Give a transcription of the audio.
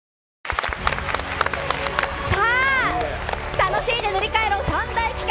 楽しいで塗りかえろ３大企画。